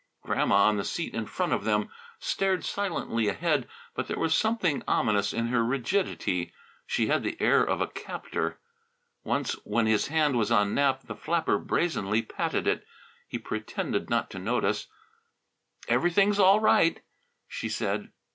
Grandma, on the seat in front of them, stared silently ahead, but there was something ominous in her rigidity. She had the air of a captor. Once when his hand was on Nap the flapper brazenly patted it. He pretended not to notice. "Everything's all right," she said.